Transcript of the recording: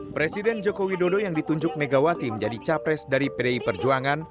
presiden joko widodo yang ditunjuk megawati menjadi capres dari pdi perjuangan